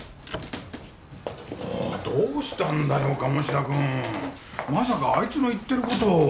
もうどうしたんだよ鴨志田くん。まさかあいつの言ってる事を。